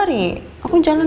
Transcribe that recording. nanti kaki aku bengkak gimana